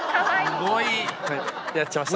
すごい。やっちゃいました。